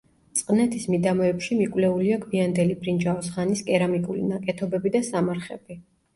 წყნეთის მიდამოებში მიკვლეულია გვიანდელი ბრინჯაოს ხანის კერამიკული ნაკეთობები და სამარხები.